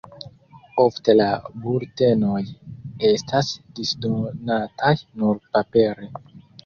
Ofte la bultenoj estas disdonataj nur papere.